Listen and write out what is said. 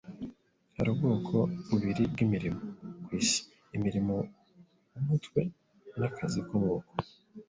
Hariho ubwoko bubiri bwimirimo kwisi - umurimo wumutwe nakazi kamaboko;